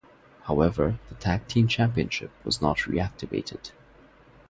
However, the tag team championship was not reactivated.